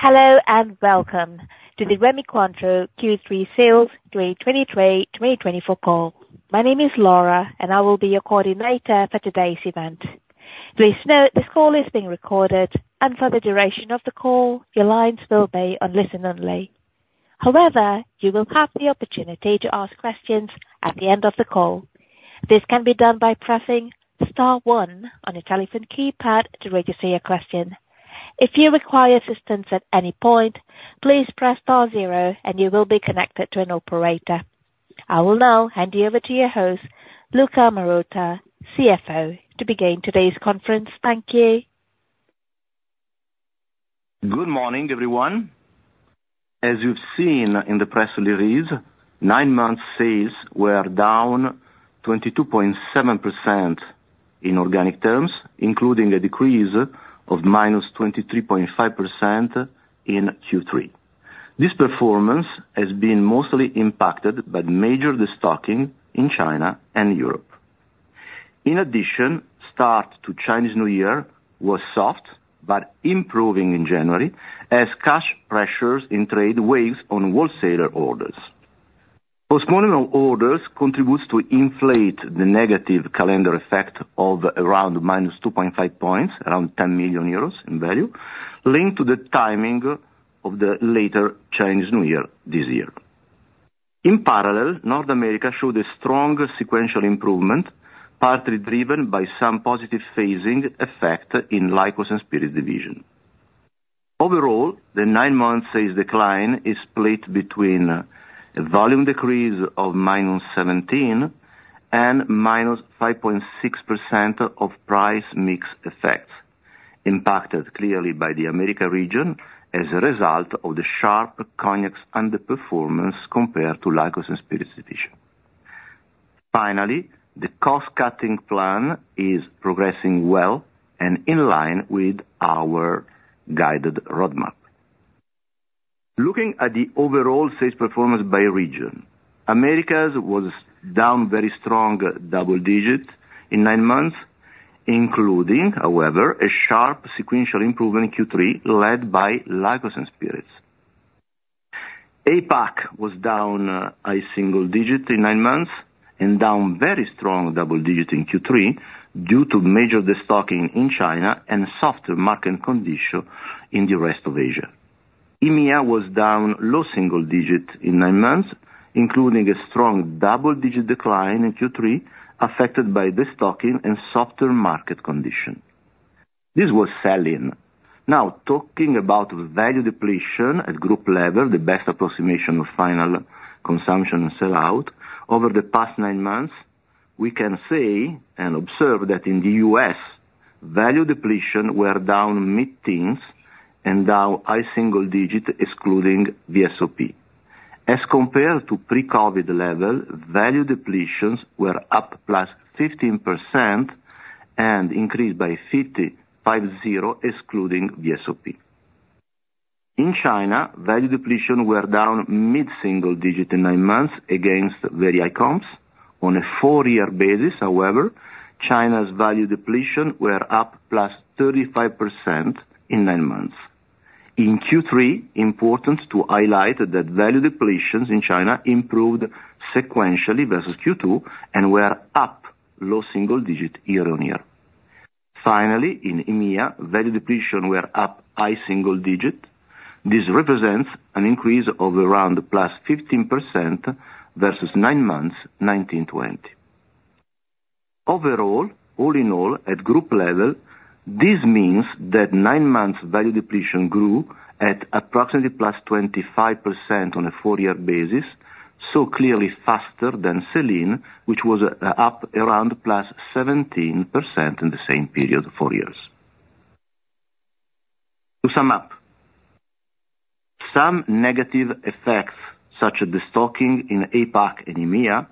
Hello, and welcome to the Rémy Cointreau Q3 Sales 2023-2024 Call. My name is Laura, and I will be your coordinator for today's event. Please note, this call is being recorded, and for the duration of the call, your lines will be on Listen Only. However, you will have the opportunity to ask questions at the end of the call. This can be done by pressing star one on your telephone keypad to register your question. If you require assistance at any point, please press star zero and you will be connected to an operator. I will now hand you over to your host, Luca Marotta, CFO, to begin today's conference. Thank you. Good morning, everyone. As you've seen in the press release, nine-month sales were down 22.7% in organic terms, including a decrease of -23.5% in Q3. This performance has been mostly impacted by major destocking in China and Europe. In addition, start to Chinese New Year was soft, but improving in January as cash pressures in trade weighs on wholesaler orders. Postponing of orders contributes to inflate the negative calendar effect of around -2.5 points, around 10 million euros in value, linked to the timing of the later Chinese New Year this year. In parallel, North America showed a strong sequential improvement, partly driven by some positive phasing effect in Liqueurs and Spirits division. Overall, the 9-month sales decline is split between a volume decrease of -17 and -5.6% of price mix effects, impacted clearly by the Americas region as a result of the sharp Cognac's underperformance compared to Liqueurs and Spirits division. Finally, the cost-cutting plan is progressing well and in line with our guided roadmap. Looking at the overall sales performance by region, Americas was down very strong double-digit in 9 months, including, however, a sharp sequential improvement in Q3, led by Liqueurs and Spirits. APAC was down a single-digit in 9 months and down very strong double-digit in Q3, due to major destocking in China and softer market condition in the rest of Asia. EMEA was down low single-digit in 9 months, including a strong double-digit decline in Q3, affected by destocking and softer market condition. This was sell-in. Now, talking about value depletion at group level, the best approximation of final consumption sell-out, over the past nine months, we can say and observe that in the U.S., value depletion were down mid-teens and down high single-digit, excluding VSOP. As compared to pre-COVID level, value depletions were up +15% and increased by 55, excluding VSOP. In China, value depletion were down mid-single-digit in nine months against very high comps. On a four-year basis, however, China's value depletion were up +35% in nine months. In Q3, important to highlight that value depletions in China improved sequentially versus Q2 and were up low single-digit year-on-year. Finally, in EMEA, value depletion were up high single-digit. This represents an increase of around +15% versus nine months, 2019-20. Overall, all in all, at group level, this means that nine months value depletion grew at approximately +25% on a four-year basis, so clearly faster than sell-in, which was up around +17% in the same period, four years. To sum up, some negative effects, such as the stocking in APAC and EMEA,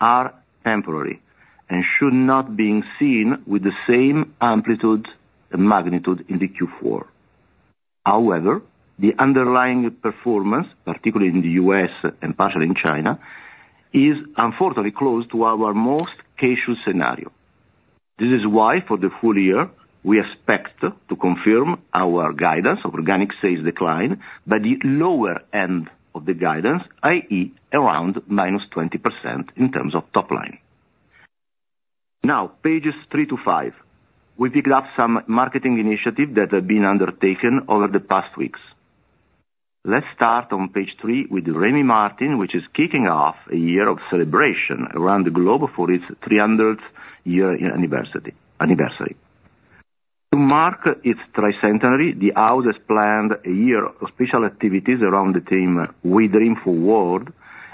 are temporary and should not being seen with the same amplitude and magnitude in the Q4. However, the underlying performance, particularly in the U.S. and partially in China, is unfortunately close to our most cautious scenario. This is why, for the full year, we expect to confirm our guidance of organic sales decline by the lower end of the guidance, i.e., around -20% in terms of top line. Now, pages 3 to 5. We pick up some marketing initiatives that have been undertaken over the past weeks. Let's start on page three with Rémy Martin, which is kicking off a year of celebration around the globe for its 300th year anniversary. To mark its tricentenary, the house has planned a year of special activities around the theme, We Dream Forward,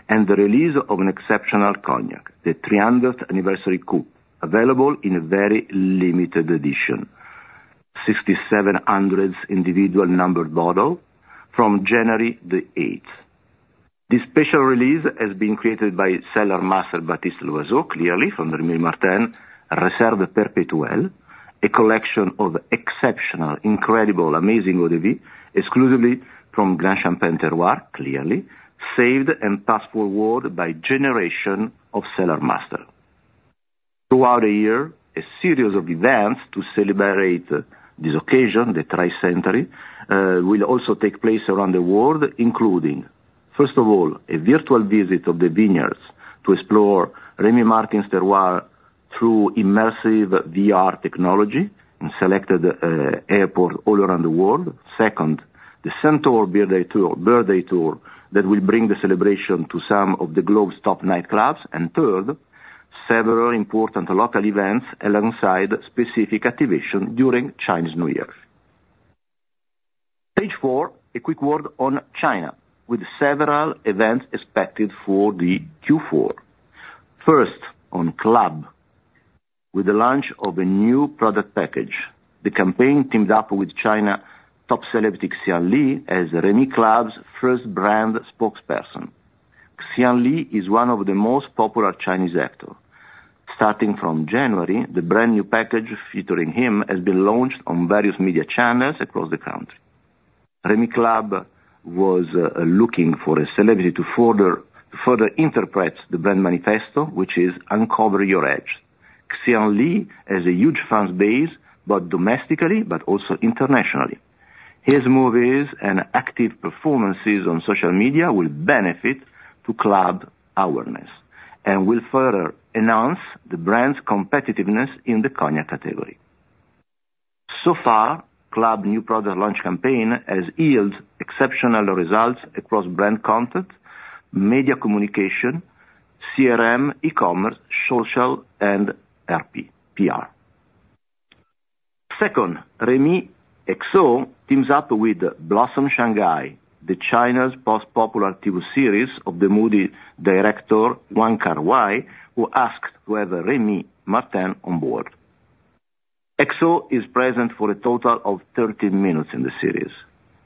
and the release of an exceptional Cognac, the 300th Anniversary Coupe, available in a very limited edition, 6,724 individual numbered bottles from January the eighth. This special release has been created by Cellar Master Baptiste Loiseau, clearly from Rémy Martin, Réserve Perpétuelle, a collection of exceptional, incredible, amazing eau de vie, exclusively from Grande Champagne terroir, clearly, saved and passed forward by generation of cellar master. Throughout the year, a series of events to celebrate this occasion, the tricentenary, will also take place around the world, including, first of all, a virtual visit of the vineyards to explore Rémy Martin's terroir through immersive VR technology in selected airports all around the world. Second, the Centaure Birthday Tour, Birthday Tour, that will bring the celebration to some of the globe's top nightclubs. And third, several important local events alongside specific activation during Chinese New Year. Page four, a quick word on China, with several events expected for the Q4. First, on Club, with the launch of a new product package, the campaign teamed up with China's top celebrity, Li Xian, as Rémy Club's first brand spokesperson. Li Xian is one of the most popular Chinese actor. Starting from January, the brand new package featuring him has been launched on various media channels across the country. Rémy Club was looking for a celebrity to further interpret the brand manifesto, which is uncover your edge. Li Xian has a huge fan base, both domestically but also internationally. His movies and active performances on social media will benefit to Club awareness, and will further enhance the brand's competitiveness in the Cognac category. So far, Club new product launch campaign has yield exceptional results across brand content, media communication, CRM, e-commerce, social and PR. Second, Rémy Martin XO teams up with Blossoms Shanghai, China's most popular TV series of the movie director, Wong Kar-wai, who asked to have a Rémy Martin on board. XO is present for a total of 13 minutes in the series.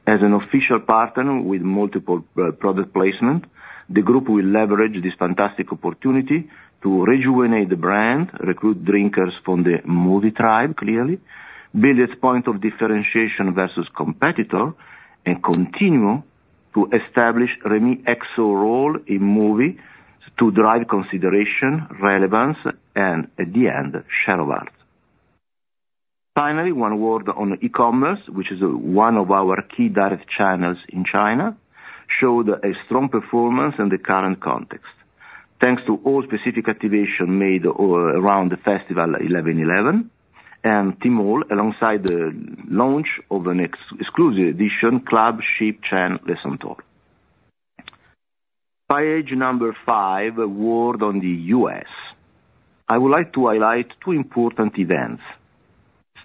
As an official partner with multiple product placement, the group will leverage this fantastic opportunity to rejuvenate the brand, recruit drinkers from the movie tribe, clearly, build its point of differentiation versus competitor, and continue to establish Rémy XO role in movie to drive consideration, relevance, and at the end, share of heart. Finally, one word on e-commerce, which is one of our key direct channels in China, showed a strong performance in the current context. Thanks to all specific activation made all around the festival, Eleven Eleven, and Tmall, alongside the launch of an exclusive edition, Club Ship Le Centaure. Page number 5, a word on the U.S. I would like to highlight two important events.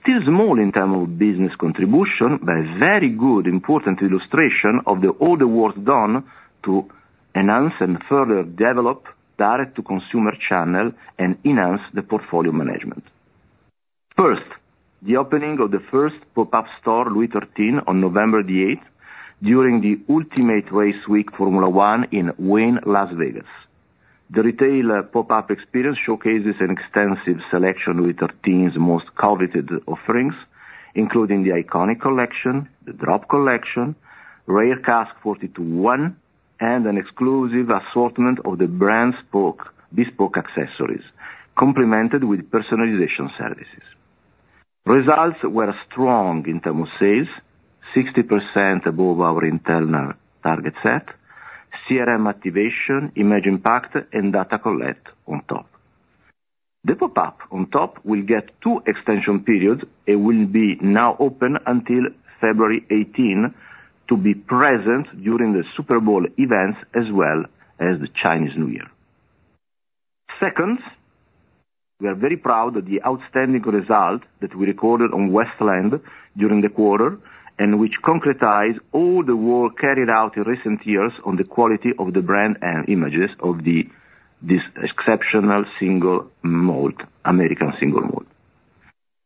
Still small in terms of business contribution, but a very good important illustration of all the work done to enhance and further develop direct to consumer channel and enhance the portfolio management. First, the opening of the first pop-up store, Louis XIII, on November the eighth, during the Ultimate Race Week Formula One in Wynn, Las Vegas. The retail pop-up experience showcases an extensive selection of Louis XIII's most coveted offerings, including the iconic collection, the Drop collection, Rare Cask 42.1, and an exclusive assortment of the brand's bespoke accessories, complemented with personalization services. Results were strong in terms of sales, 60% above our internal target set, CRM activation, image impact, and data collection on top. The pop-up on top will get 2 extension periods and will be now open until February 18, to be present during the Super Bowl events as well as the Chinese New Year. Second, we are very proud of the outstanding result that we recorded on Westland during the quarter, and which concretize all the work carried out in recent years on the quality of the brand and image of this exceptional single malt, American single malt.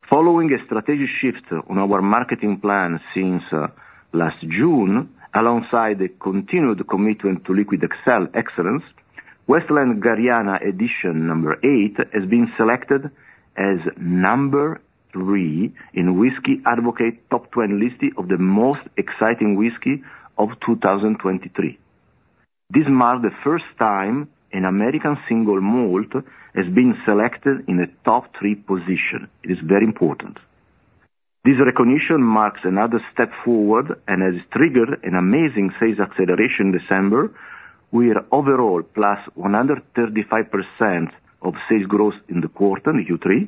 Following a strategic shift on our marketing plan since last June, alongside the continued commitment to liquid excellence, Westland Garryana Edition No. 8 has been selected as No. 3 in Whisky Advocate top ten list of the most exciting whiskey of 2023. This marks the first time an American single malt has been selected in a top three position. It is very important. This recognition marks another step forward and has triggered an amazing sales acceleration December, with overall +135% sales growth in the quarter, in Q3,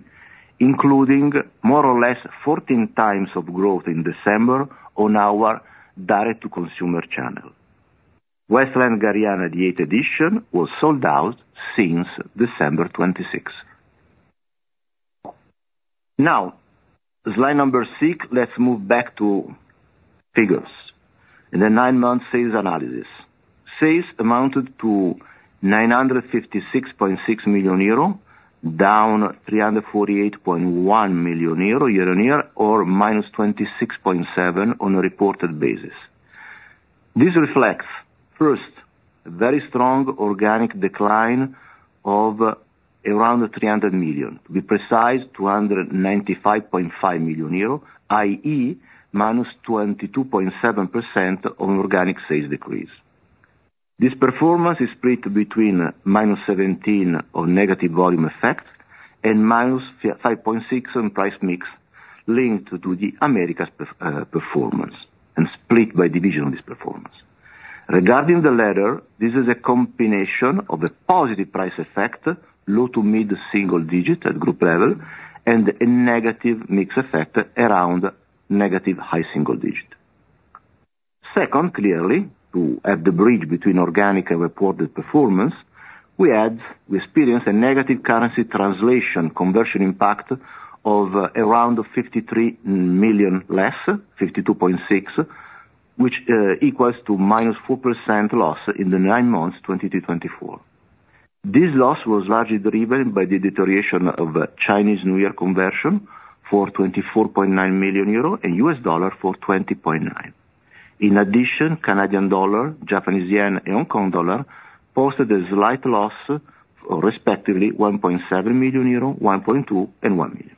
including more or less 14 times of growth in December on our direct to consumer channel. Westland Garryana the eighth edition was sold out since December 26. Now, slide number 6, let's move back to figures. In the nine-month sales analysis, sales amounted to 956.6 million euro, down 348.1 million euro year-on-year, or -26.7% on a reported basis. This reflects, first, a very strong organic decline of around 300 million. To be precise, 295.5 million euro, i.e., -22.7% on organic sales decrease. This performance is split between -17 on negative volume effects and minus 5.6 on price mix, linked to the Americas performance, and split by division of this performance. Regarding the latter, this is a combination of a positive price effect, low- to mid-single-digit at group level, and a negative mix effect around negative high-single-digit. Second, clearly, to have the bridge between organic and reported performance, we experienced a negative currency translation conversion impact of around 53 million less, 52.6, which equals to -4% loss in the nine months, 2020 to 2024. This loss was largely driven by the deterioration of Chinese yuan conversion for 24.9 million euro, and US dollar for $20.9 million. In addition, Canadian dollar, Japanese yen, and Hong Kong dollar posted a slight loss, respectively, 1.7 million euro, 1.2, and 1 million.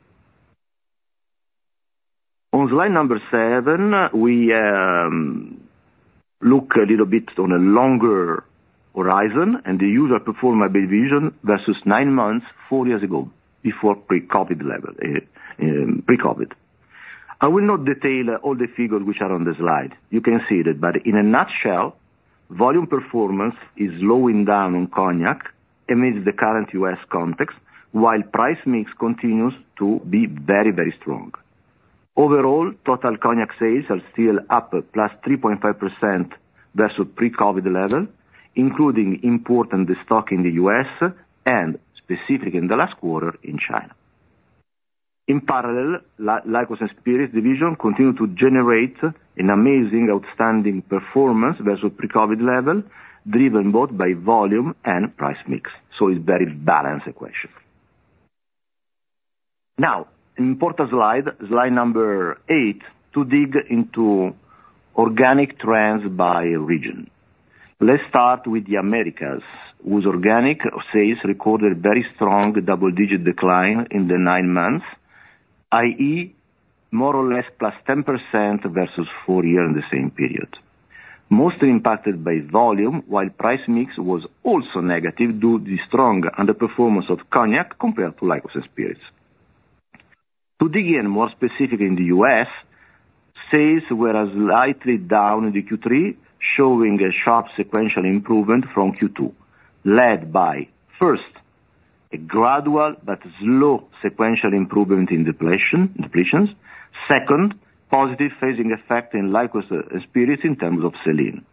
On slide number 7, we look a little bit on a longer horizon, and the U.S. performance division versus 9 months four years ago, before pre-COVID level, pre-COVID. I will not detail all the figures which are on the slide. You can see that, but in a nutshell, volume performance is slowing down on Cognac amidst the current U.S. context, while price mix continues to be very, very strong. Overall, total Cognac sales are still up +3.5% versus pre-COVID level, including important stock in the U.S., and specific in the last quarter, in China. In parallel, Liqueurs and Spirits division continue to generate an amazing, outstanding performance versus pre-COVID level, driven both by volume and price mix, so it's very balanced equation. Now, important slide, slide number 8, to dig into organic trends by region. Let's start with the Americas, whose organic sales recorded very strong double-digit decline in the nine months, i.e., more or less +10% versus prior year in the same period. Mostly impacted by volume, while price mix was also negative, due to the strong underperformance of Cognac compared to Liqueurs and Spirits. To dig in more specific in the U.S., sales were slightly down in the Q3, showing a sharp sequential improvement from Q2, led by, first, a gradual but slow sequential improvement in depletions. Second, positive phasing effect in Liqueurs and Spirits in terms of sell-in.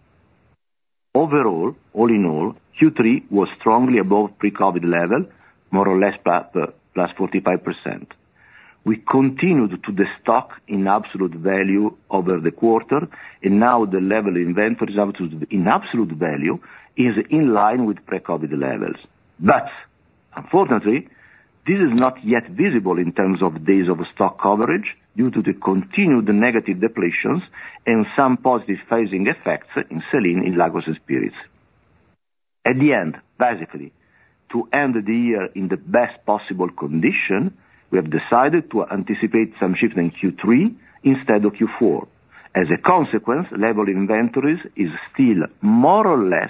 Overall, all in all, Q3 was strongly above pre-COVID level, more or less +45%. We continued to destock in absolute value over the quarter, and now the level in them, for example, in absolute value, is in line with pre-COVID levels. But unfortunately, this is not yet visible in terms of days of stock coverage, due to the continued negative depletions and some positive phasing effects in Cognac, in liqueurs and spirits. At the end, basically, to end the year in the best possible condition, we have decided to anticipate some shift in Q3 instead of Q4. As a consequence, level inventories is still more or less,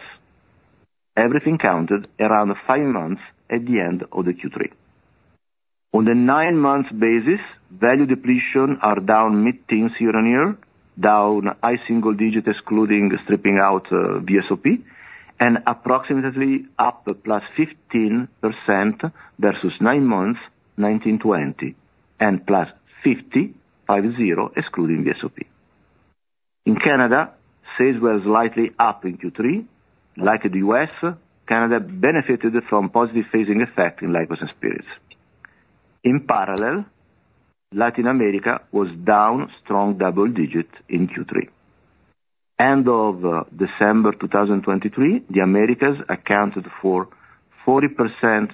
everything counted, around five months at the end of the Q3. On the nine months basis, value depletions are down mid-teens year-on-year, down high single digits, excluding stripping out VSOP, and approximately up +15% versus nine months 2019/20, and +55 excluding VSOP. In Canada, sales were slightly up in Q3. Like the U.S., Canada benefited from positive phasing effect in Liqueurs and Spirits. In parallel, Latin America was down strong double digits in Q3. End of December 2023, the Americas accounted for 40%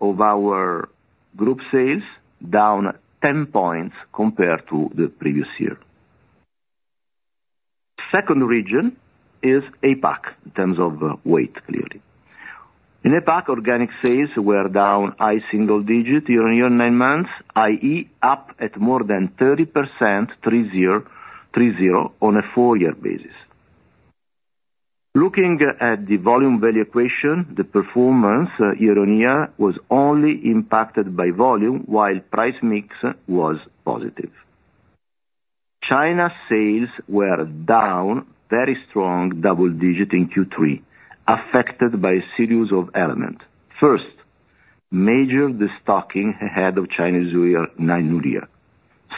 of our group sales, down 10 points compared to the previous year. Second region is APAC, in terms of weight, clearly. In APAC, organic sales were down high single digit year-on-year nine months, i.e., up at more than 30%, 30, 30, on a four-year basis. Looking at the volume value equation, the performance year-on-year was only impacted by volume, while price mix was positive. China sales were down very strong, double-digit in Q3, affected by a series of elements. First, major destocking ahead of Chinese New Year, next New Year.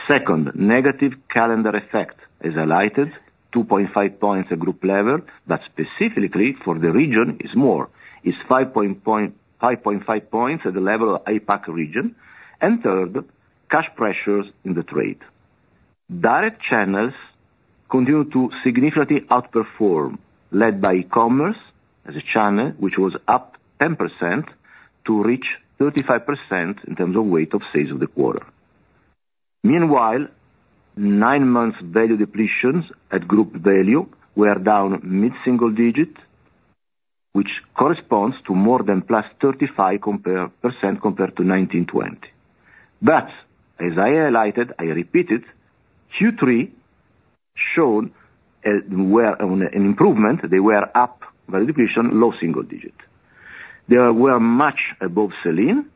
Second, negative calendar effect, as highlighted, 2.5 points at group level, but specifically for the region is more, is 5.5 points at the level of APAC region. And third, cash pressures in the trade. Direct channels continue to significantly outperform, led by e-commerce as a channel, which was up 10% to reach 35% in terms of weight of sales of the quarter. Meanwhile, nine months value depletions at group value were down mid-single-digit, which corresponds to more than +35% compared to 2019/2020. But as I highlighted, I repeated, Q3 showed an improvement, they were up value depletions, low single-digit. They were much above Céline,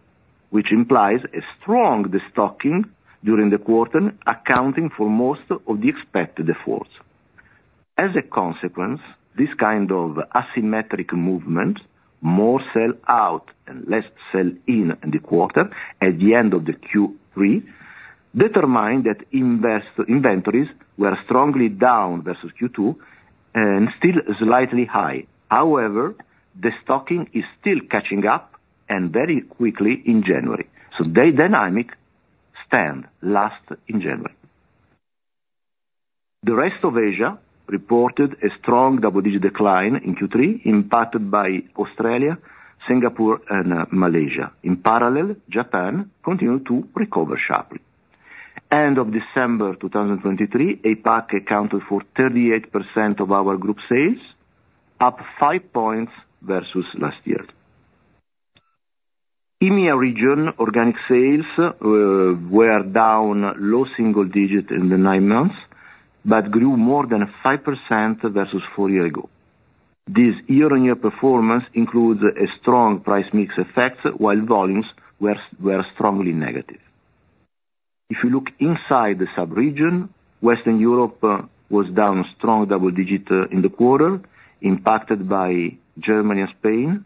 which implies a strong destocking during the quarter, accounting for most of the expected defaults. As a consequence, this kind of asymmetric movement, more sell-out and less sell-in, in the quarter at the end of the Q3, determined that inventories were strongly down versus Q2 and still slightly high. However, the stocking is still catching up and very quickly in January. So the dynamics stand last in January. The rest of Asia reported a strong double-digit decline in Q3, impacted by Australia, Singapore and Malaysia. In parallel, Japan continued to recover sharply. End of December 2023, APAC accounted for 38% of our group sales, up 5 points versus last year. EMEA region, organic sales, were down low single-digit in the nine months, but grew more than 5% versus four years ago. This year-on-year performance includes a strong price mix effect, while volumes were strongly negative. If you look inside the sub region, Western Europe was down strong double-digit in the quarter, impacted by Germany and Spain.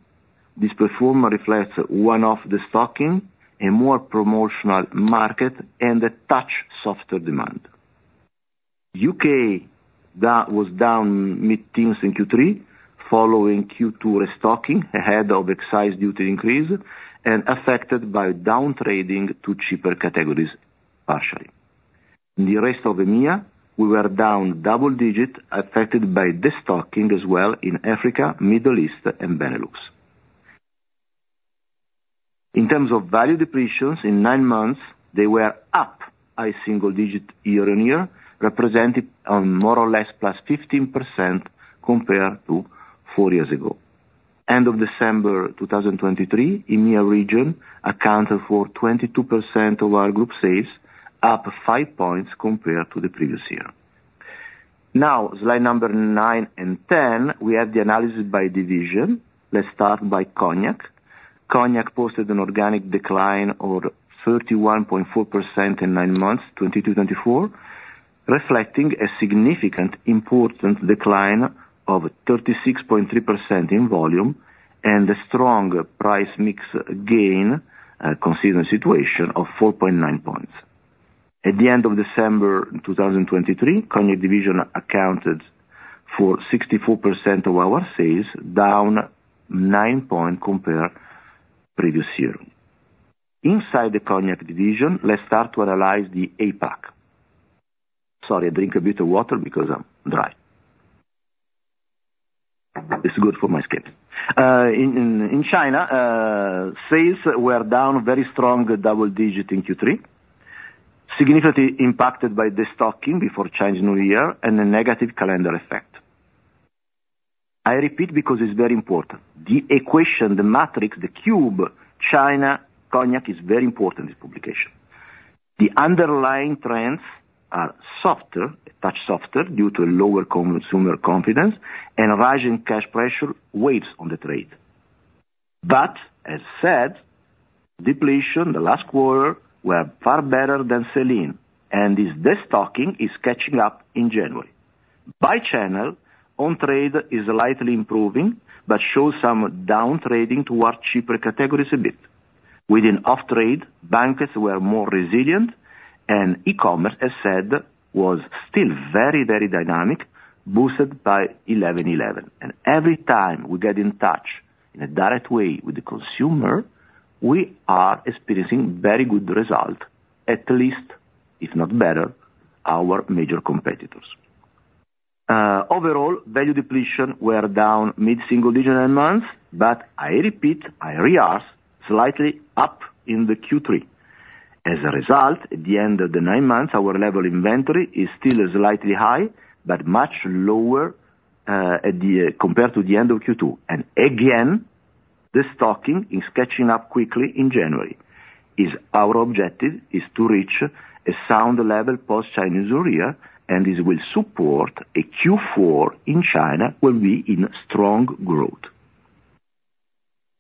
This performance reflects one-off destocking, a more promotional market and a touch softer demand. UK, down, was down mid-teens in Q3, following Q2 restocking ahead of excise duty increase and affected by downtrading to cheaper categories, partially. In the rest of EMEA, we were down double-digit, affected by destocking as well in Africa, Middle East and Benelux. In terms of value depletions, in 9 months, they were up a single-digit year-on-year, representing more or less +15% compared to 4 years ago. End of December 2023, EMEA region accounted for 22% of our group sales, up 5 points compared to the previous year. Now, slide number 9 and 10, we have the analysis by division. Let's start by Cognac. Cognac posted an organic decline of 31.4% in nine months 2023-2024, reflecting a significant important decline of 36.3% in volume and a strong price mix gain, considering the situation, of 4.9 points. At the end of December 2023, Cognac division accounted for 64% of our sales, down 9 points compared previous year. Inside the Cognac division, let's start to analyze the APAC. Sorry, I drink a bit of water because I'm dry. It's good for my skin. In China, sales were down very strong double digit in Q3, significantly impacted by the destocking before Chinese New Year and a negative calendar effect. I repeat, because it's very important, the equation, the matrix, the cube, China Cognac is very important in this publication. The underlying trends are softer, a touch softer, due to lower consumer confidence and rising cash pressure waves on the trade. But as said, depletions in the last quarter were far better than sell-in, and this destocking is catching up in January. By channel, on-trade is slightly improving, but shows some downtrading toward cheaper categories a bit. Within off-trade, brandy were more resilient, and e-commerce, as said, was still very, very dynamic, boosted by 11.11. And every time we get in touch in a direct way with the consumer, we are experiencing very good results, at least, if not better than our major competitors. Overall, value depletions were down mid-single-digit nine months, but I repeat, I re-ask, slightly up in the Q3. As a result, at the end of the nine months, our inventory level is still slightly high, but much lower compared to the end of Q2. Again, the destocking is catching up quickly in January. Our objective is to reach a sound level post-Chinese New Year, and this will support a Q4 in China that will be in strong growth.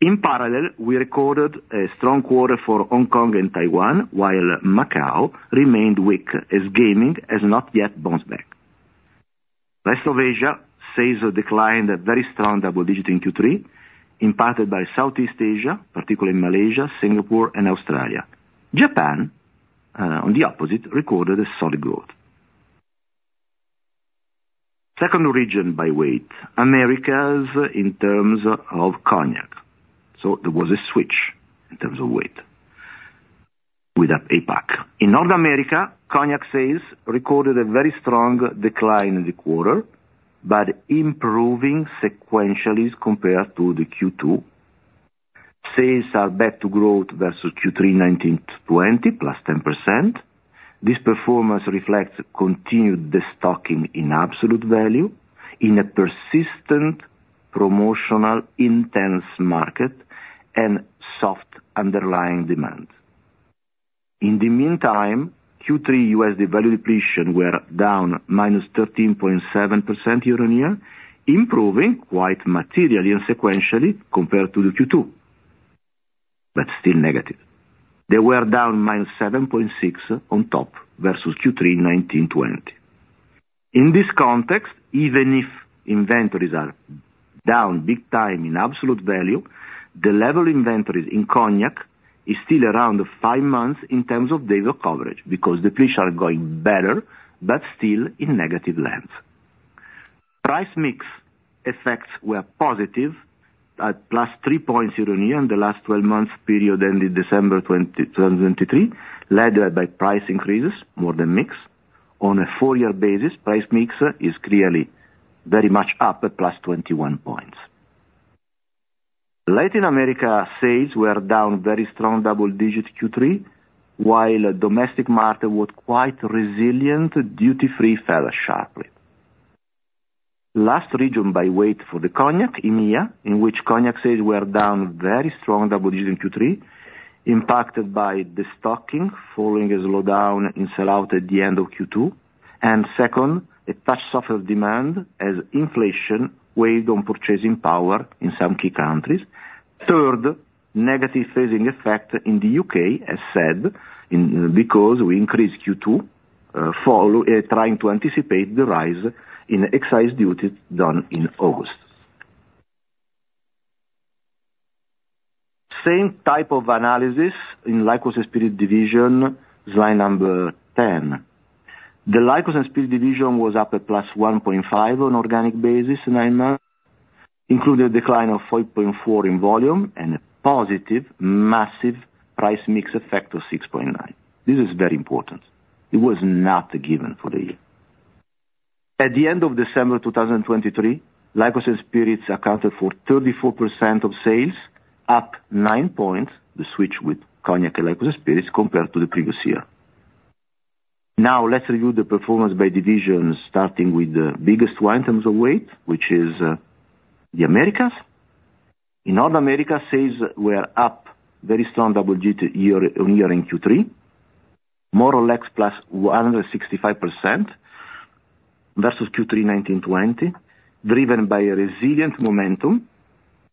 In parallel, we recorded a strong quarter for Hong Kong and Taiwan, while Macau remained weak as gaming has not yet bounced back. Rest of Asia saw a decline, a very strong double-digit in Q3, impacted by Southeast Asia, particularly Malaysia, Singapore and Australia. Japan, on the opposite, recorded a solid growth. Second region by weight, Americas in terms of Cognac. So there was a switch in terms of weight with that APAC. In North America, Cognac sales recorded a very strong decline in the quarter, but improving sequentially compared to the Q2. Sales are back to growth versus Q3 2019-2020, +10%.... This performance reflects continued destocking in absolute value, in a persistent, promotional, intense market and soft underlying demand. In the meantime, Q3 U.S. value depletion were down -13.7% year-on-year, improving quite materially and sequentially compared to the Q2, but still negative. They were down -7.6% on top versus Q3 2019-2020. In this context, even if inventories are down big time in absolute value, the level inventories in Cognac is still around five months in terms of days of coverage, because the figures are going better, but still in negative territory. Price mix effects were positive at +3 points year-on-year, in the last 12 months period, ending December 20, 2023, led by price increases more than mix. On a 4-year basis, price mix is clearly very much up, at +21 points. Latin America sales were down very strong double digits Q3, while domestic market was quite resilient, duty free fell sharply. Last region by weight for the Cognac, EMEA, in which Cognac sales were down very strong double digits in Q3, impacted by the destocking, following a slowdown in sell-out at the end of Q2. And second, a touch softer demand as inflation weighed on purchasing power in some key countries. Third, negative phasing effect in the UK, as said, because we increased Q2, following, trying to anticipate the rise in excise duty done in August. Same type of analysis in Liqueurs and Spirits division, slide number 10. The Liqueurs and Spirits division was up at +1.5 on organic basis, nine months, including a decline of 4.4 in volume and a positive, massive price mix effect of 6.9. This is very important. It was not a given for the year. At the end of December 2023, Liquors and Spirits accounted for 34% of sales, up 9 points, the switch with Cognac and liquors and spirits compared to the previous year. Now, let's review the performance by divisions, starting with the biggest one in terms of weight, which is the Americas. In North America, sales were up very strong double-digit year-on-year in Q3, more or less +165% versus Q3 2019-2020, driven by a resilient momentum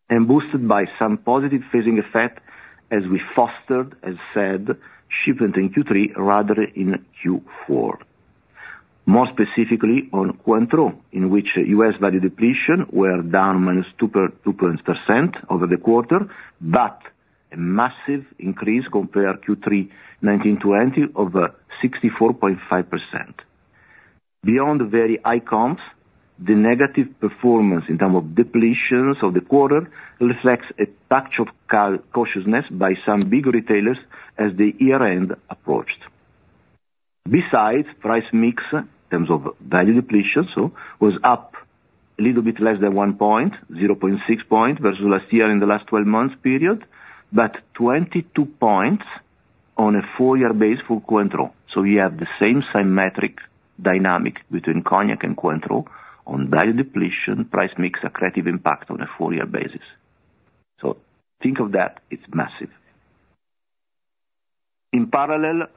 and boosted by some positive phasing effect as we fostered, as said, shipment in Q3 rather in Q4. More specifically on Cointreau, in which U.S. value depletion were down -2% over the quarter, but a massive increase compared to Q3 2019-2020 of 64.5%. Beyond the very high comps, the negative performance in terms of depletions of the quarter, reflects a touch of cautiousness by some big retailers as the year-end approached. Besides, price mix in terms of value depletion was up a little bit less than 1 point, 0.6 point versus last year in the last 12 months period, but 22 points on a 4-year base for Cointreau. So you have the same symmetric dynamic between Cognac and Cointreau on value depletion, price mix, accretive impact on a 4-year basis. So think of that, it's massive. In parallel,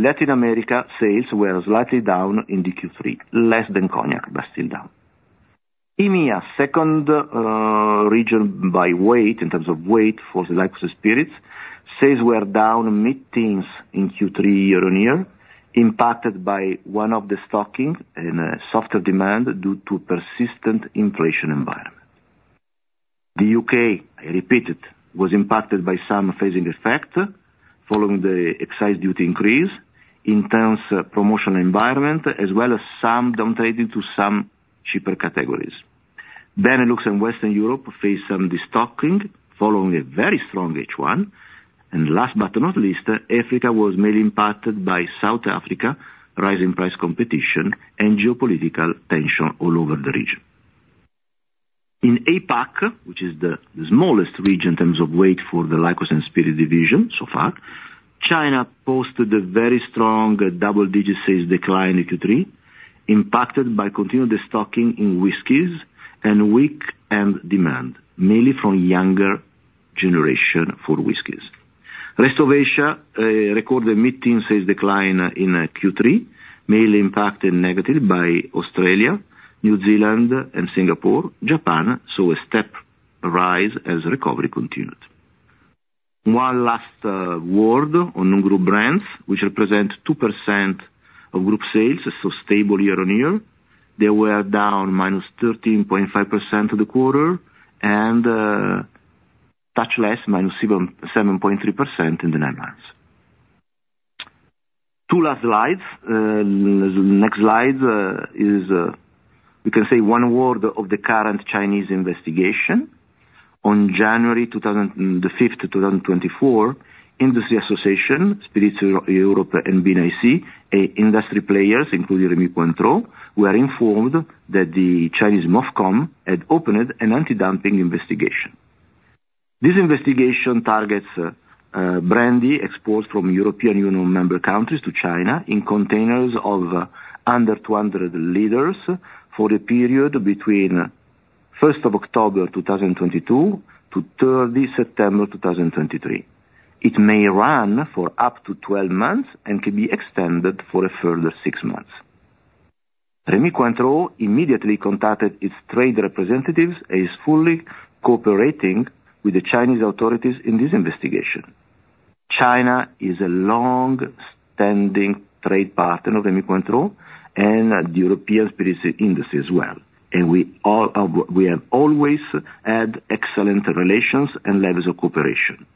Latin America sales were slightly down in the Q3, less than Cognac, but still down. EMEA, second region by weight, in terms of weight for the luxury spirits, sales were down mid-teens in Q3 year-on-year, impacted by destocking in a softer demand due to persistent inflation environment. The U.K., I repeat it, was impacted by some phasing effect following the excise duty increase, intense promotional environment, as well as some down trading to some cheaper categories. Benelux and Western Europe faced some destocking, following a very strong H1, and last but not least, Africa was mainly impacted by South Africa, rising price competition and geopolitical tension all over the region. In APAC, which is the smallest region in terms of weight for the Liqueurs and Spirits division so far, China posted a very strong double-digit sales decline in Q3, impacted by continued destocking in whiskeys and weak end demand, mainly from younger generation for whiskeys. Rest of Asia recorded mid-teen sales decline in Q3, mainly impacted negatively by Australia, New Zealand and Singapore. Japan saw a step rise as recovery continued. One last word on non-group brands, which represent 2% of group sales, so stable year-on-year, they were down -13.5% of the quarter, and touch less, -7.7% in the nine months. Two last slides. Next slide is we can say one word of the current Chinese investigation. On January 5, 2024, Industry Association, Spirits Europe and BNIC, a industry players, including Rémy Cointreau, were informed that the Chinese MOFCOM had opened an anti-dumping investigation. This investigation targets brandy exports from European Union member countries to China, in containers of under 200 liters, for the period between October 1, 2022, to September 3, 2023. It may run for up to 12 months and can be extended for a further 6 months. Rémy Cointreau immediately contacted its trade representatives, and is fully cooperating with the Chinese authorities in this investigation. China is a long-standing trade partner of Rémy Cointreau, and the European spirit industry as well, and we have always had excellent relations and levels of cooperation.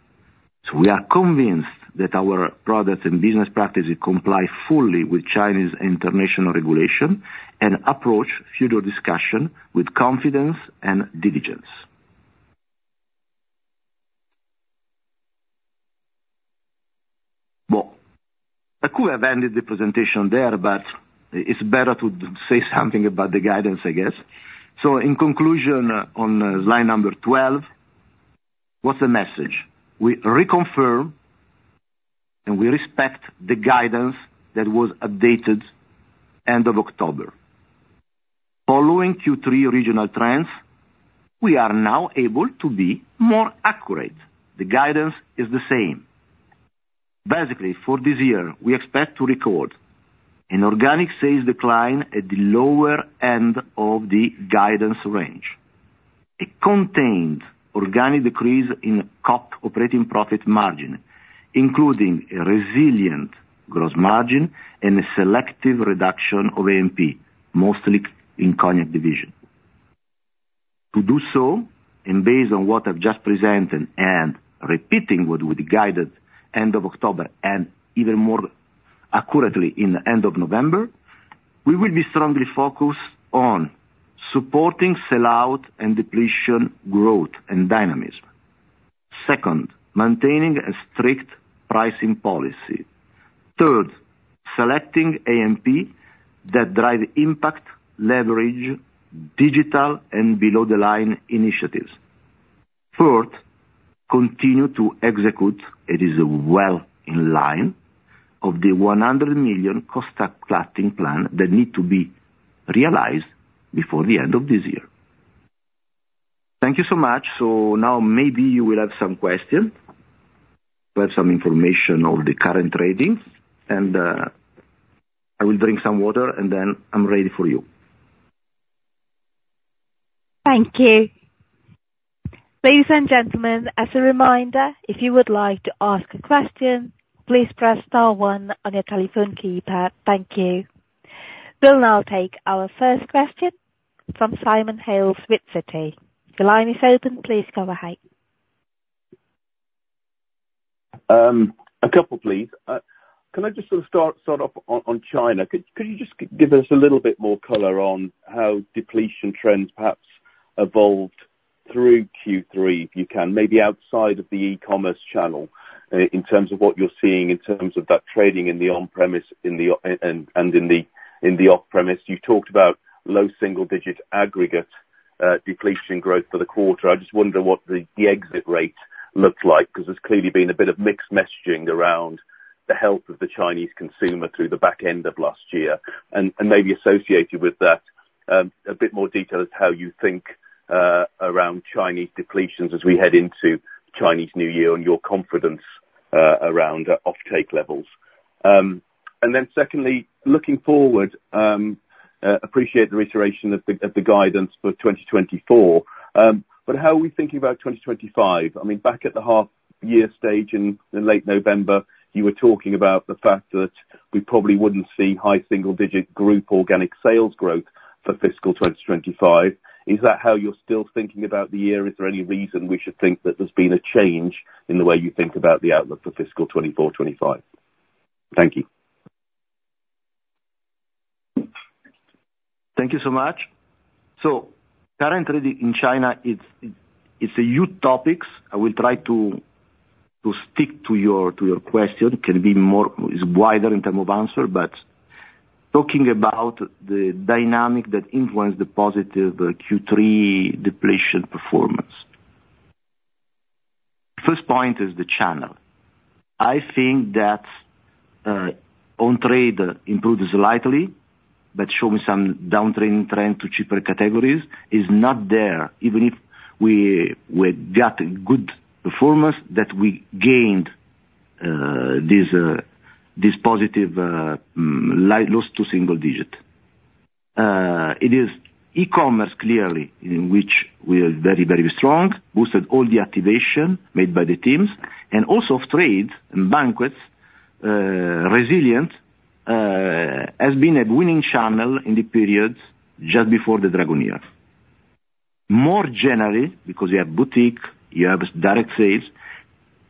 So we are convinced that our products and business practices comply fully with Chinese international regulation, and approach future discussion with confidence and diligence. Well, I could have ended the presentation there, but it's better to say something about the guidance, I guess. So in conclusion, on slide number 12, what's the message? We reconfirm, and we respect the guidance that was updated end of October. Following Q3 original trends, we are now able to be more accurate. The guidance is the same. Basically, for this year, we expect to record an organic sales decline at the lower end of the guidance range. It contained organic decrease in CoP Operating Profit Margin, including a resilient gross margin and a selective reduction of A&P, mostly in Cognac division. To do so, and based on what I've just presented, and repeating what we guided end of October, and even more accurately, in the end of November, we will be strongly focused on supporting sell out and depletion growth and dynamism. Second, maintaining a strict pricing policy. Third, selecting A&P that drive impact, leverage, digital, and below the line initiatives. Fourth, continue to execute, it is well in line, of the 100 million cost cutting plan that need to be realized before the end of this year. Thank you so much. So now maybe you will have some questions. We have some information on the current trading, and I will drink some water, and then I'm ready for you. Thank you. Ladies and gentlemen, as a reminder, if you would like to ask a question, please press star one on your telephone keypad. Thank you. We'll now take our first question from Simon Hales, Citi. The line is open. Please go ahead. A couple, please. Can I just sort of start off on China? Could you just give us a little bit more color on how depletion trends perhaps evolved through Q3, if you can? Maybe outside of the e-commerce channel, in terms of what you're seeing, in terms of that trading in the on-premise and in the off-premise. You've talked about low single digit aggregate depletion growth for the quarter. I just wonder what the exit rate looked like, 'cause there's clearly been a bit of mixed messaging around the health of the Chinese consumer through the back end of last year, and maybe associated with that, a bit more detail as to how you think around Chinese depletions as we head into Chinese New Year, and your confidence around offtake levels. And then secondly, looking forward, appreciate the reiteration of the, of the guidance for 2024, but how are we thinking about 2025? I mean, back at the half year stage in late November, you were talking about the fact that we probably wouldn't see high single digit group organic sales growth for fiscal 2025. Is that how you're still thinking about the year? Is there any reason we should think that there's been a change in the way you think about the outlook for fiscal 2025? Thank you. Thank you so much. So currently in China, it's a huge topic. I will try to stick to your question, can be more, is wider in terms of answer, but talking about the dynamics that influenced the positive Q3 depletion performance. First point is the channel. I think that on-trade improved slightly, but showed some downtrend to cheaper categories is not there, even if we got good performance that we gained this slight loss to single digit. It is e-commerce, clearly, in which we are very, very strong, boosted all the activation made by the teams, and also off-trade and banquets resilient has been a winning channel in the periods just before the Dragon Year. More generally, because you have boutique, you have direct sales.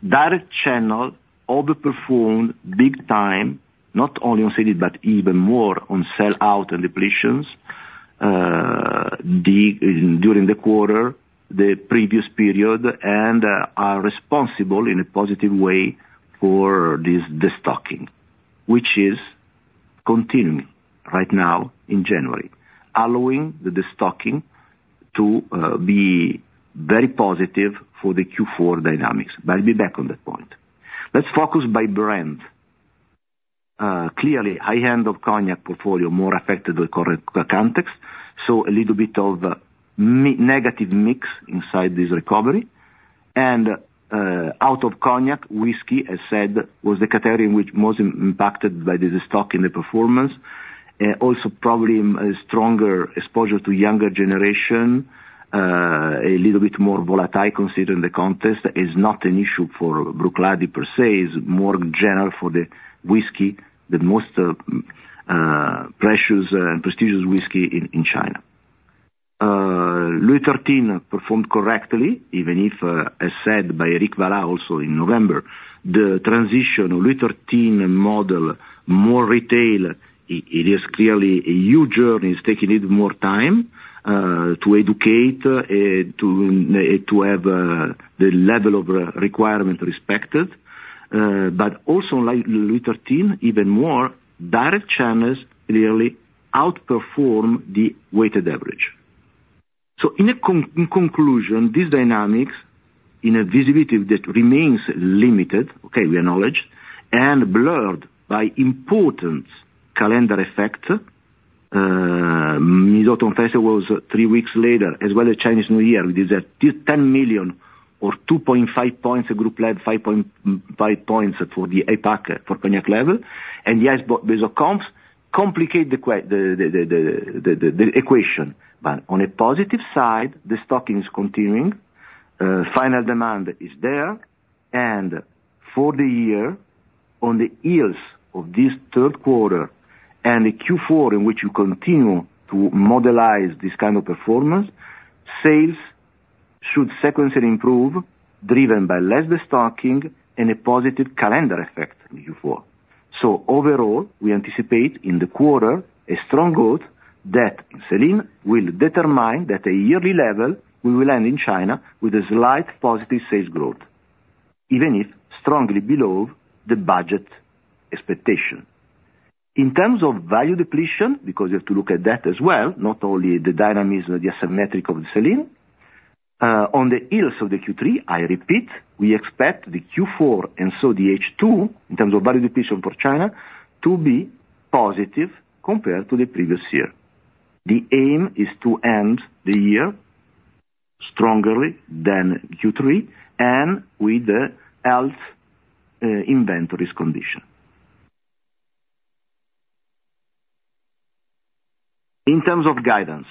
Direct channel overperformed big time, not only on sales, but even more on sell-out and depletions during the quarter, the previous period, and are responsible in a positive way for this destocking, which is continuing right now in January, allowing the destocking to be very positive for the Q4 dynamics, but I'll be back on that point. Let's focus by brand. Clearly, high-end of Cognac portfolio more affected the current context, so a little bit of negative mix inside this recovery. And out of Cognac, whiskey, as said, was the category which most impacted by the destocking, the performance. Also probably a stronger exposure to younger generation, a little bit more volatile considering the context, is not an issue for Bruichladdich per se. It's more general for the whiskey, the most precious and prestigious whiskey in China. Louis XIII performed correctly, even if, as said by Éric Vallat, also in November, the transition Louis XIII model, more retail—it is clearly a huge journey. It's taking a little more time to educate, to have the level of requirement respected. But also like Louis XIII, even more, direct channels clearly outperform the weighted average. In conclusion, these dynamics, in a visibility that remains limited, okay, we acknowledge, and blurred by important calendar effect. Mid-Autumn Festival was three weeks later, as well as Chinese New Year, which is a 10 million or 2.5 points, group level 5.5 points for the APAC, for Cognac level. And yes, but base of comps complicate the equation. But on a positive side, the destocking is continuing, final demand is there, and for the year, on the heels of this third quarter and the Q4, in which you continue to model this kind of performance, sales should sequentially improve, driven by less destocking and a positive calendar effect in Q4. So overall, we anticipate in the quarter, a strong growth that sell-in will determine that a yearly level we will end in China with a slight positive sales growth, even if strongly below the budget expectation. In terms of value depletion, because you have to look at that as well, not only the dynamics of the asymmetric of the sell-in, on the heels of the Q3, I repeat, we expect the Q4 and so the H2, in terms of value depletion for China, to be positive compared to the previous year. The aim is to end the year strongly than Q3 and with the health inventories condition. In terms of guidance.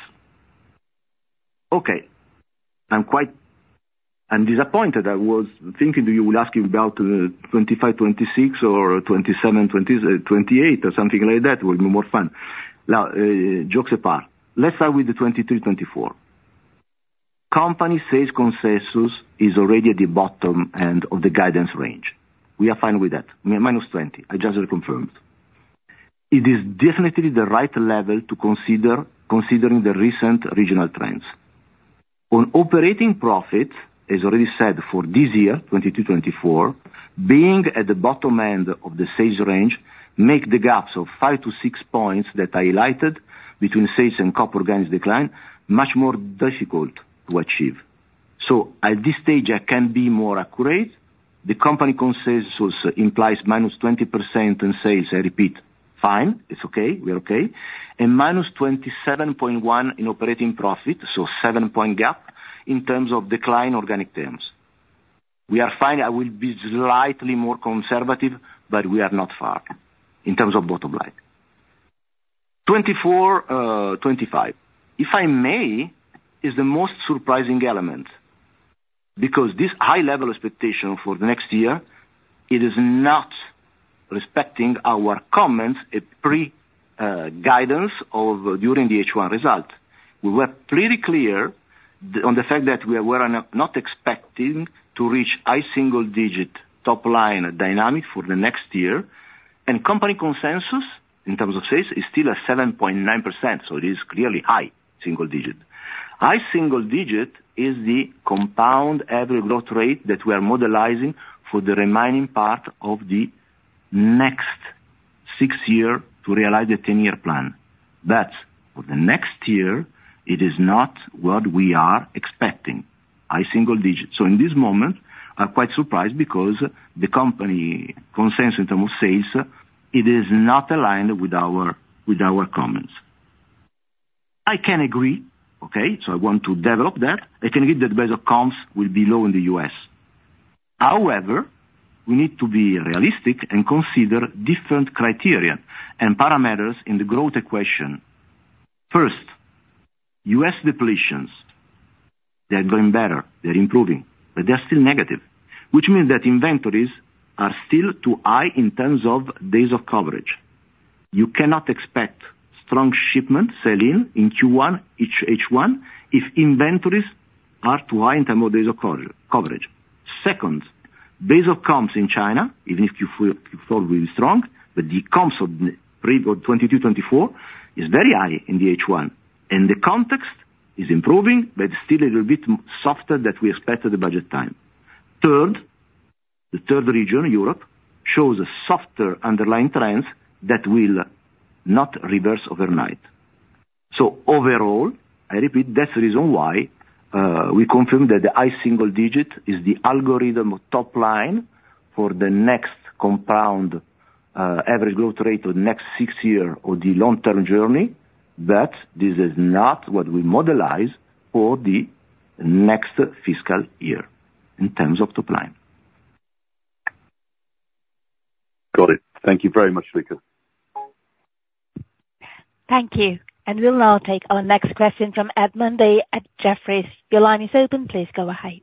Okay, I'm quite... I'm disappointed. I was thinking that you would ask about 25, 26 or 27, 20, 28 or something like that, it would be more fun. Now, jokes apart. Let's start with the 2023-2024. Company sales consensus is already at the bottom end of the guidance range. We are fine with that. Minus 20, I just confirmed. It is definitely the right level to consider, considering the recent regional trends. On operating profit, as already said, for this year, 2022-2024, being at the bottom end of the sales range, make the gaps of 5-6 points that I highlighted between sales and COP decline, much more difficult to achieve. So at this stage, I can be more accurate. The company consensus implies minus 20% in sales, I repeat, fine, it's okay, we're okay, and minus 27.1 in operating profit, so 7-point gap in terms of decline organic terms. We are fine. I will be slightly more conservative, but we are not far in terms of bottom line. 2024, 2025, if I may, is the most surprising element, because this high level expectation for the next year, it is not respecting our comments at pre-guidance of during the H1 result. We were pretty clear on the fact that we were not, not expecting to reach high single digit top line dynamic for the next year, and company consensus, in terms of sales, is still at 7.9%, so it is clearly high single digit. High single digit is the compound average growth rate that we are modelizing for the remaining part of the next six year to realize the Ten-Year Plan. But for the next year, it is not what we are expecting, high single digits. So in this moment, I'm quite surprised because the company consensus in terms of sales, it is not aligned with our, with our comments. I can agree, okay? So I want to develop that. I can agree that base of comps will be low in the U.S. However, we need to be realistic and consider different criteria and parameters in the growth equation. First, U.S. depletions, they are going better, they're improving, but they are still negative, which means that inventories are still too high in terms of days of coverage. You cannot expect strong shipment sell-in in Q1, H1, if inventories are too high in terms of days of coverage. Second, base of comps in China, even if Q4 will be strong, but the comps of 2022, 2024 is very high in the H1, and the context is improving, but still a little bit softer than we expected the budget time. Third, the third region, Europe, shows a softer underlying trends that will not reverse overnight. So overall, I repeat, that's the reason why we confirm that the high single digit is the algorithm of top line for the next compound average growth rate for the next six-year or the long-term journey, but this is not what we modelize for the next fiscal year in terms of top line. Got it. Thank you very much, Luca. Thank you. We'll now take our next question from Edmund Mundy at Jefferies. Your line is open. Please go ahead.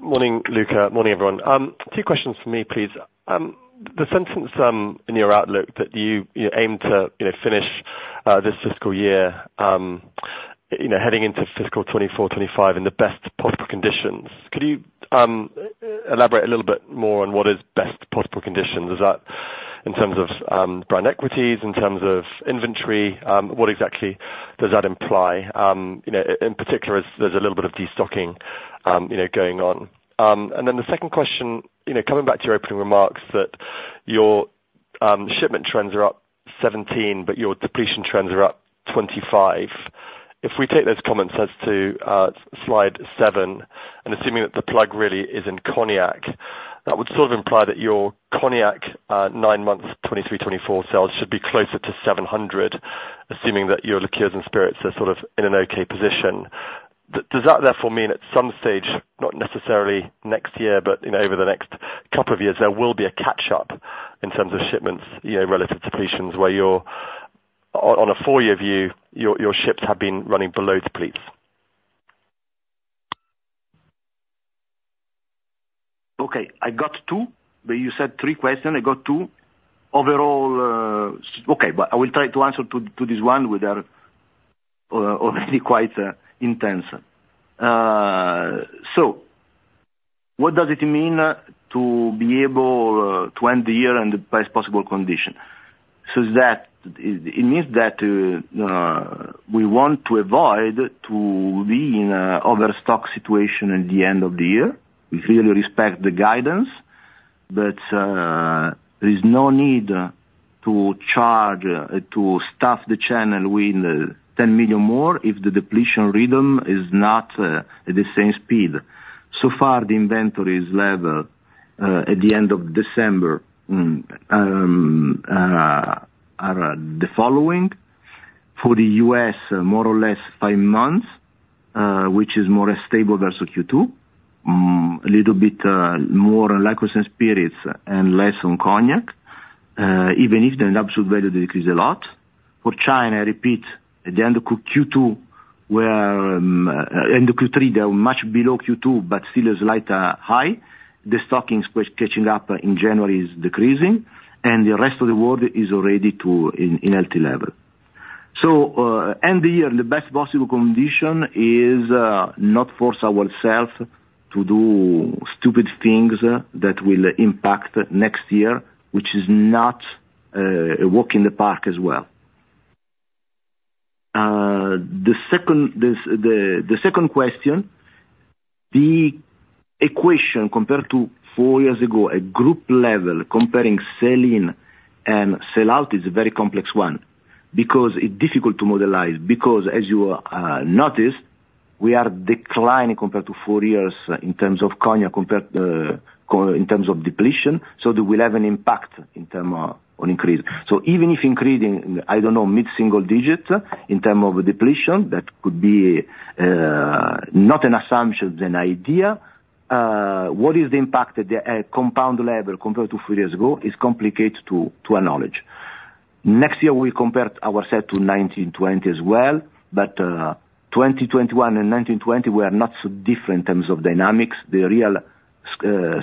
Morning, Luca. Morning, everyone. Two questions for me, please. The sentence in your outlook that you aim to, you know, finish this fiscal year, you know, heading into fiscal 2024, 2025 in the best possible conditions. Could you elaborate a little bit more on what is best possible conditions? Is that in terms of brand equities, in terms of inventory, what exactly does that imply? You know, in particular, as there's a little bit of destocking, you know, going on. And then the second question, you know, coming back to your opening remarks that your shipment trends are up 17, but your depletion trends are up 25. If we take those comments as to slide seven, and assuming that the plug really is in Cognac, that would sort of imply that your Cognac nine months 2023-2024 sales should be closer to 700 million, assuming that your liqueurs and spirits are sort of in an okay position. Does that therefore mean at some stage, not necessarily next year, but you know, over the next couple of years, there will be a catch up in terms of shipments, you know, relative depletions, where your on, on a full year view, your shipments have been running below depletions? Okay, I got two, but you said three questions. I got two. Overall, okay, but I will try to answer to this one, which are already quite intense. So what does it mean to be able to end the year in the best possible condition? So that, it means that we want to avoid to be in a overstock situation at the end of the year. We really respect the guidance, but there is no need to charge, to staff the channel with 10 million more if the depletion rhythm is not at the same speed. So far, the inventories level at the end of December are the following: For the U.S., more or less five months, which is more stable versus Q2. A little bit more on liqueurs and spirits and less on Cognac, even if the absolute value decreased a lot. For China, I repeat, at the end of Q2, end of Q3, they are much below Q2, but still a slight high. The destocking was catching up in January is decreasing, and the rest of the world is already in healthy level. So, end the year, the best possible condition is not force ourselves to do stupid things that will impact next year, which is not a walk in the park as well. The second question, the equation, compared to four years ago, at group level, comparing sell-in and sell-out is a very complex one. Because it's difficult to modelize, because as you noticed, we are declining compared to four years in terms of Cognac, compared in terms of depletion, so that will have an impact in term of, on increase. So even if increasing, I don't know, mid-single-digit, in term of depletion, that could be, not an assumption, an idea. What is the impact at the, compound level compared to four years ago? It's complicated to acknowledge. Next year, we compare ourselves to 2019, 2020 as well, but 2021 and 2019, 2020 were not so different in terms of dynamics. The real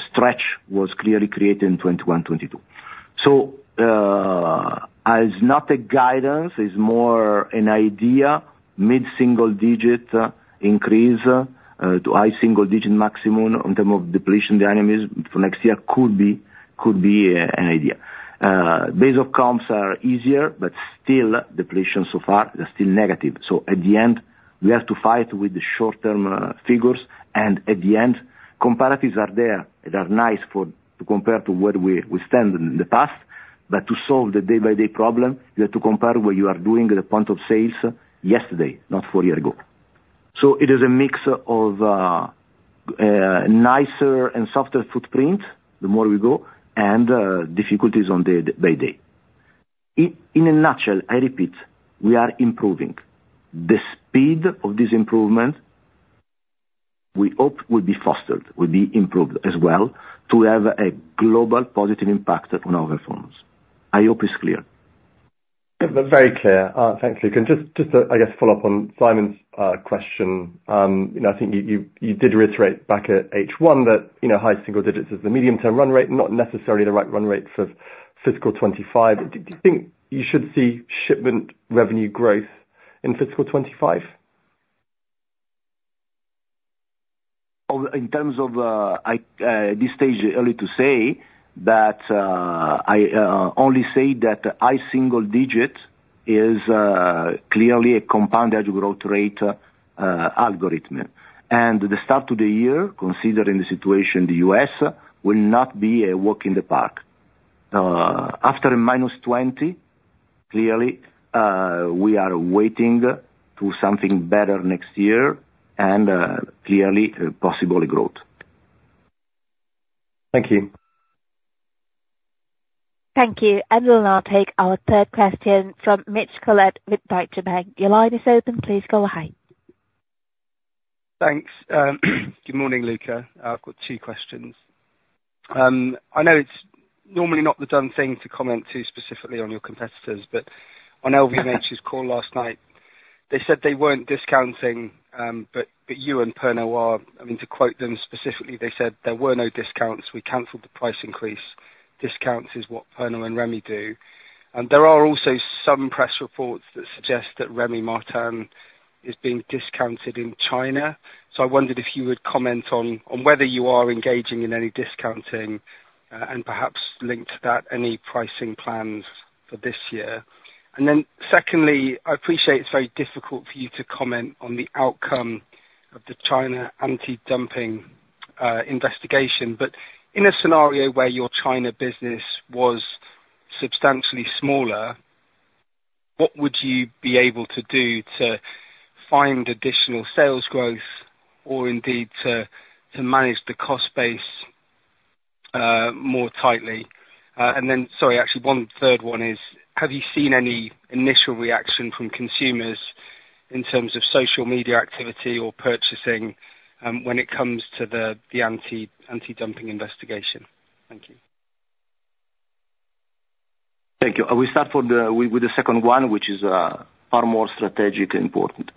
stretch was clearly created in 2021, 2022. So, as not a guidance, it's more an idea, mid-single-digit increase to high single digit maximum on term of depletion dynamics for next year could be, could be, an idea. Base of comps are easier, but still depletion so far, they're still negative. So at the end, we have to fight with the short-term figures, and at the end, comparatives are there. They are nice for to compare to where we stand in the past, but to solve the day-by-day problem, you have to compare what you are doing at the point of sales yesterday, not four year ago. So it is a mix of nicer and softer footprint, the more we go, and difficulties on the day-by-day. In a nutshell, I repeat, we are improving. The speed of this improvement, we hope will be fostered, will be improved as well, to have a global positive impact on our performance. I hope it's clear. Very clear. Thanks, Luca. And just to, I guess, follow up on Simon's question. You know, I think you did reiterate back at H1 that, you know, high single digits is the medium-term run rate, not necessarily the right run rate for fiscal 2025. Do you think you should see shipment revenue growth in fiscal 2025? In terms of, at this stage, it's early to say, but I only say that high single-digit is clearly a compound annual growth rate, CAGR. And the start of the year, considering the situation in the U.S., will not be a walk in the park. After a -20%, clearly, we are waiting for something better next year, and clearly, possible growth. Thank you. Thank you. We'll now take our third question from Mitch Collett with Deutsche Bank. Your line is open, please go ahead. Thanks. Good morning, Luca. I've got two questions. I know it's normally not the done thing to comment too specifically on your competitors, but on LVMH's call last night, they said they weren't discounting, but you and Pernod are. I mean, to quote them specifically, they said, "There were no discounts. We canceled the price increase. Discounts is what Pernod and Rémy do." And there are also some press reports that suggest that Rémy Martin is being discounted in China. So I wondered if you would comment on whether you are engaging in any discounting, and perhaps linked to that, any pricing plans for this year? And then secondly, I appreciate it's very difficult for you to comment on the outcome of the China anti-dumping investigation. But in a scenario where your China business was substantially smaller, what would you be able to do to find additional sales growth, or indeed to manage the cost base more tightly? And then, sorry, actually, one third one is, have you seen any initial reaction from consumers in terms of social media activity or purchasing, when it comes to the anti-dumping investigation? Thank you. Thank you. I will start with the second one, which is far more strategically important.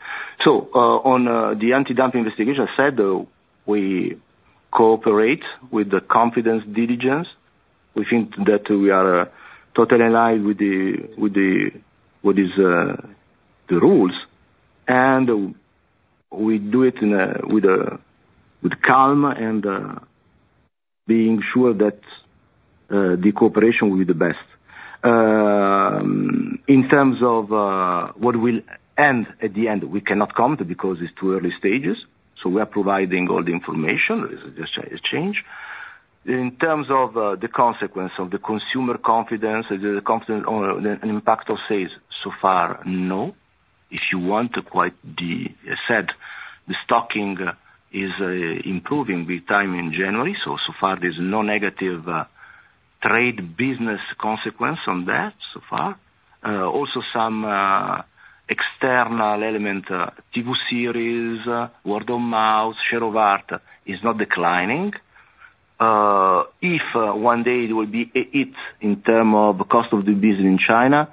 So, on the anti-dumping investigation side, we cooperate with due diligence. We think that we are totally in line with the rules, and we do it with calm and being sure that the cooperation will be the best. In terms of what will end at the end, we cannot comment because it's too early stages, so we are providing all the information, this is just a change. In terms of the consequence of the consumer confidence, the confidence or the impact of sales, so far, no. If you want to quote the said, the destocking is improving with time in January. So far there's no negative trade business consequence on that, so far. Also some external element, TV series, word of mouth, share of heart is not declining. If one day it will be a hit in term of cost of doing business in China,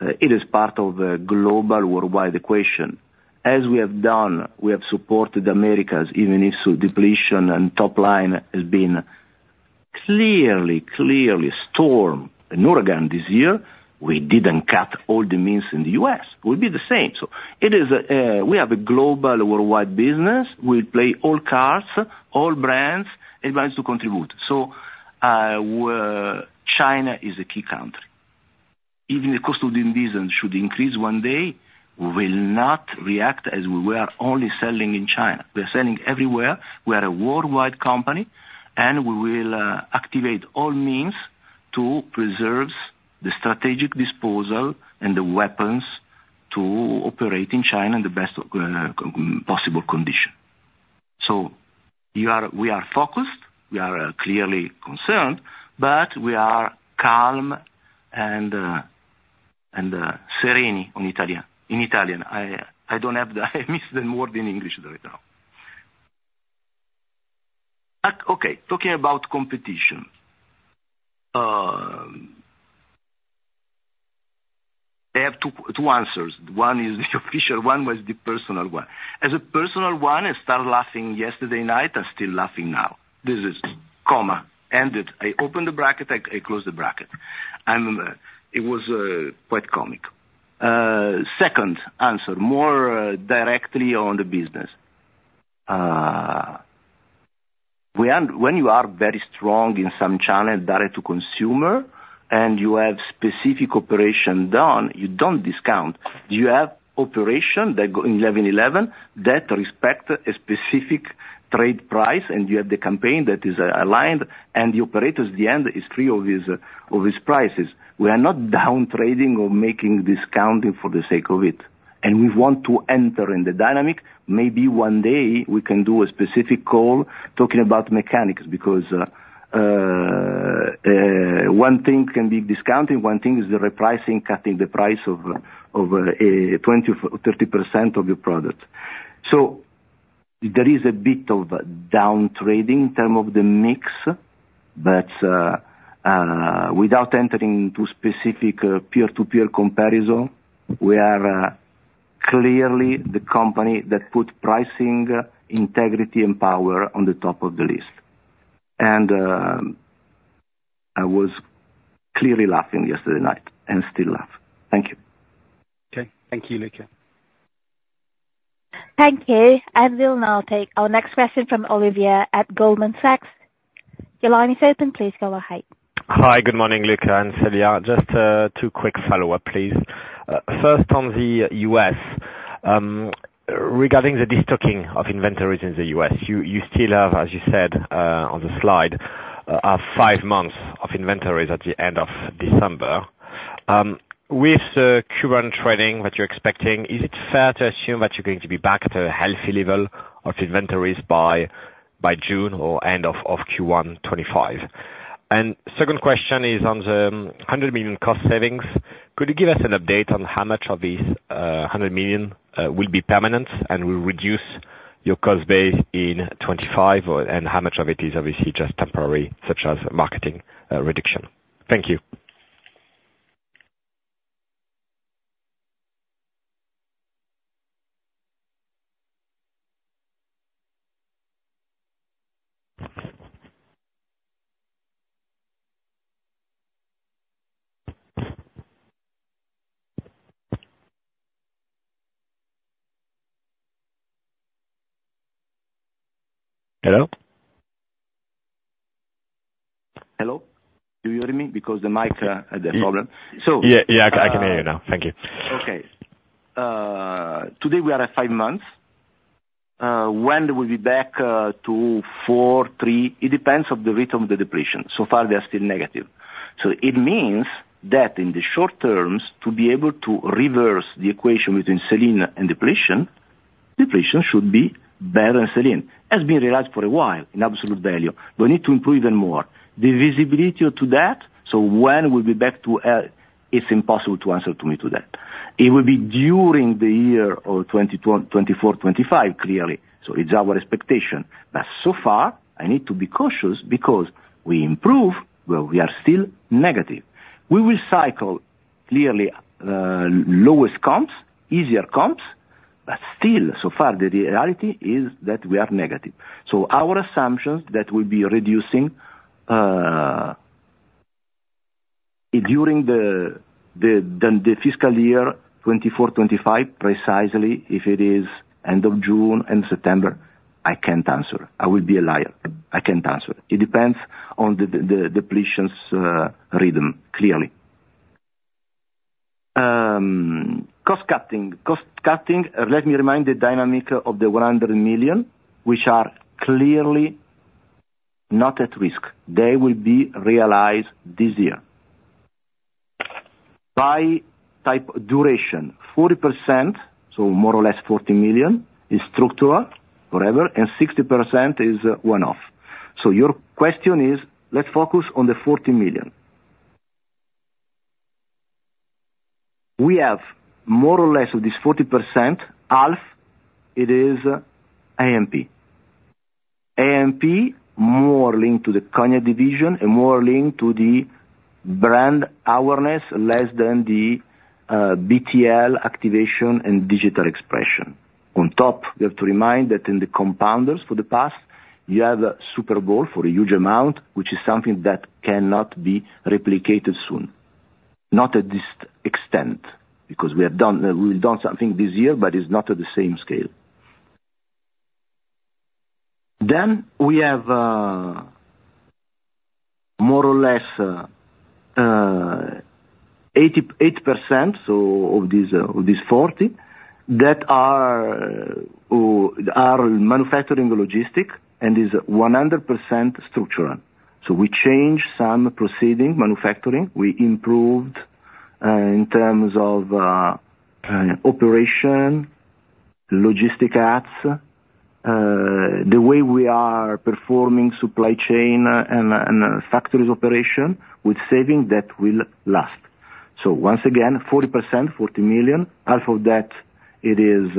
it is part of a global worldwide equation. As we have done, we have supported Americas, even if sell-out depletions and top line has been clearly, clearly storm and hurricane this year, we didn't cut all the means in the U.S., will be the same. So it is, we have a global worldwide business. We play all cards, all brands, and brands to contribute. So, China is a key country. Even the cost of doing business should increase one day, we will not react as we were only selling in China. We're selling everywhere. We are a worldwide company, and we will activate all means to preserve the strategic disposal and the weapons to operate in China in the best possible condition. So you are—We are focused, we are clearly concerned, but we are calm and serene. In Italian, I don't have the word in English right now. Okay, talking about competition. I have two answers. One is the official one, one is the personal one. As the personal one, I started laughing yesterday night, I'm still laughing now. This is, ended. I opened the bracket, I closed the bracket. And it was quite comic. Second answer, more directly on the business. We are—When you are very strong in some channels, direct to consumer, and you have specific operation done, you don't discount. You have operations that go in 11.11, that respect a specific trade price, and you have the campaign that is, aligned, and the operators at the end is free of these, of these prices. We are not down trading or making discounting for the sake of it, and we want to enter in the dynamic. Maybe one day we can do a specific call talking about mechanics, because, one thing can be discounting, one thing is the repricing, cutting the price of, twenty, 30% of your product. So there is a bit of down trading in term of the mix, but, without entering into specific peer-to-peer comparison, we are clearly the company that put pricing, integrity, and power on the top of the list. And, I was clearly laughing yesterday night, and still laugh. Thank you. Okay. Thank you, Luca. Thank you, and we'll now take our next question from Olivia at Goldman Sachs. Your line is open. Please go ahead. Hi. Good morning, Luca and Céline. Just two quick follow-up, please. First, on the U.S., regarding the destocking of inventories in the U.S., you, you still have, as you said, on the slide, five months of inventories at the end of December. With the current trading that you're expecting, is it fair to assume that you're going to be back to a healthy level of inventories by, by June or end of, of Q1 2025? And second question is on the 100 million cost savings. Could you give us an update on how much of these, uh, 100 million, uh, will be permanent and will reduce your cost base in 2025, or, and how much of it is obviously just temporary, such as marketing, uh, reduction? Thank you. Hello? Hello, do you hear me? Because the mic had a problem, so- Yeah, yeah, I can hear you now. Thank you. Okay. Today, we are at five months. When we'll be back to four, three, it depends on the rate of the depletion. So far, they are still negative. So it means that in the short terms, to be able to reverse the equation between selling and depletion, depletion should be better than selling. Has been realized for a while, in absolute value, but need to improve even more. The visibility to that, so when we'll be back to, it's impossible to answer to me to that. It will be during the year of 2024, 2025, clearly, so it's our expectation. But so far, I need to be cautious because we improve, but we are still negative. We will cycle, clearly, lowest comps, easier comps, but still, so far, the reality is that we are negative. So our assumptions that we'll be reducing during the fiscal year 2024, 2025, precisely, if it is end of June and September, I can't answer. I will be a liar. I can't answer. It depends on the depletions rhythm, clearly. Cost cutting. Cost cutting, let me remind the dynamic of the 100 million, which are clearly not at risk. They will be realized this year. By type duration, 40%, so more or less 40 million, is structural, forever, and 60% is one-off. So your question is, let's focus on the 40 million. We have more or less of this 40%, half, it is AMP. AMP, more linked to the Cognac division and more linked to the brand awareness, less than the BTL activation and digital expression. On top, we have to remind that in the compounders for the past, you have Super Bowl for a huge amount, which is something that cannot be replicated soon, not at this extent, because we have done, we've done something this year, but it's not at the same scale. Then, we have, more or less, 88%, so of this, of this 40, that are, are manufacturing logistic and is 100% structural. So we changed some proceeding manufacturing. We improved, in terms of, operation, logistic ads, the way we are performing supply chain, and, and factories operation with saving, that will last. So once again, 40%, 40 million, half of that it is,